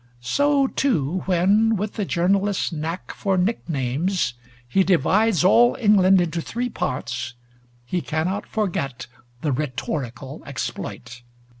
So too when, with the journalist's nack for nicknames, he divides all England into three parts, he cannot forget the rhetorical exploit.